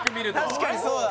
確かにそうだ